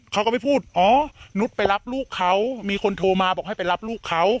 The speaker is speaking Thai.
เขาก็ไปพูดเอาหลืมไปรับลูกเขามีคนโทรมาบอกให้ลับลูกเขา